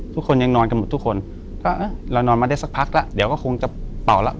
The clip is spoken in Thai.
ทุกคนยังนอนกันหมดทุกคนก็เรานอนมาได้สักพักแล้วเดี๋ยวก็คงจะเป่าแล้ว